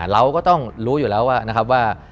เราก็ต้องรู้อยู่แล้วว่า